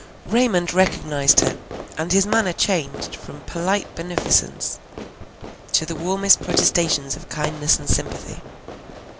Raymond recognized her; and his manner changed from polite beneficence to the warmest protestations of kindness and sympathy.